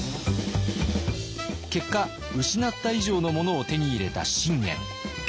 結果失った以上のものを手に入れた信玄。